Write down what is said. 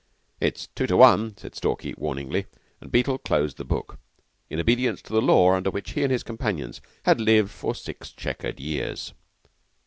"It's two to one," said Stalky, warningly, and Beetle closed the book, in obedience to the law under which he and his companions had lived for six checkered years.